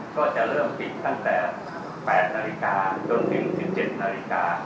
ก็จะเริ่มปิดตั้งแต่๘นาฬิกาจนถึง๑๗นาฬิกา